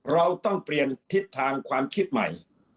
เราต้องเปลี่ยนทิศทางความคิดใหม่